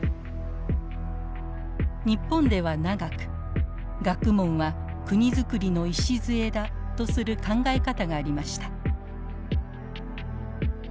日本では長く学問は国づくりの礎だとする考え方がありました。